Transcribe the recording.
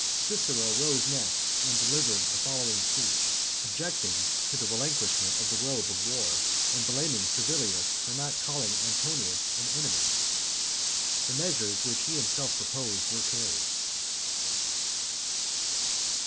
Cicero rose next and delivered the following speech, objecting to the relinquishment of the robe of war, and blaming Servilius for not calling Antonius an enemy. The measures which he himself proposed were carried.